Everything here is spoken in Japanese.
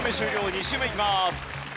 ２周目いきます。